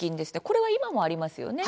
これは今もありますよね。